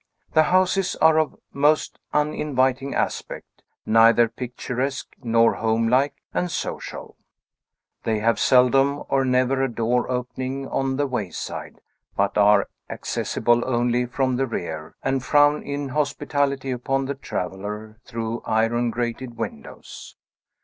The houses are of most uninviting aspect, neither picturesque, nor homelike and social; they have seldom or never a door opening on the wayside, but are accessible only from the rear, and frown inhospitably upon the traveller through iron grated windows.